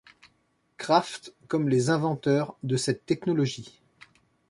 Kraft comme les inventeurs de cette technologie.